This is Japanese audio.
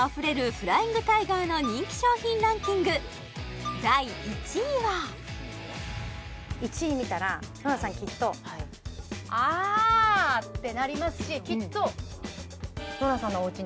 フライングタイガーの人気商品ランキング第１位は１位見たらノラさんきっとあ！ってなりますしきっとある？